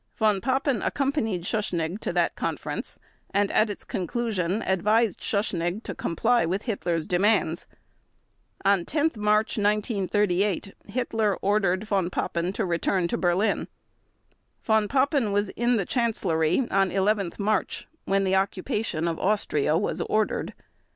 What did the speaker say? Von Papen accompanied Schuschnigg to that conference, and at its conclusion advised Schuschnigg to comply with Hitler's demands. On 10 March 1938 Hitler ordered Von Papen to return to Berlin. Von Papen was in the Chancellery on 11 March when the occupation of Austria was ordered.